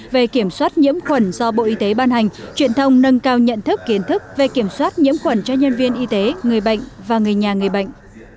về kiểm soát nhiễm khuẩn do bộ y tế ban hành truyền thông nâng cao nhận thức kiến thức về kiểm soát nhiễm khuẩn cho nhân viên y tế người bệnh và người nhà người bệnh